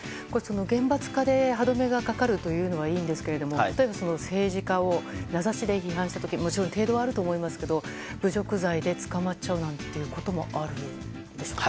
厳罰化で歯止めがかかるというのはいいんですけど例えば、政治家を名指しで批判した時もちろん程度はあると思いますけど侮辱罪で捕まっちゃうこともあるんでしょうか。